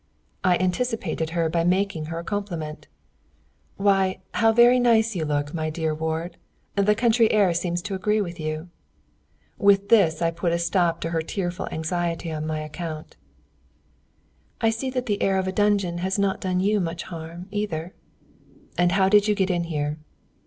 I anticipated her by making her a compliment. "Why, how nice you look, my dear ward! The country air seems to agree with you." With this I put a stop to her tearful anxiety on my account. "I see that the air of a dungeon has not done you much harm, either." "And how did you get in here?"